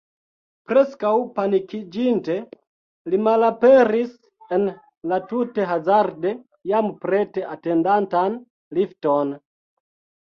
Preskaŭ panikiĝinte, li malaperis en la tute hazarde jam prete atendantan lifton.